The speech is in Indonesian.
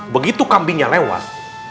begitu kambingnya lewat